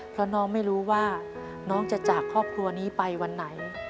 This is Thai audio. เพราะน้องไม่รู้ว่าน้องจะจากครอบครัวนี้ไปวันไหน